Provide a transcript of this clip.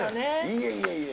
いえいえいえ。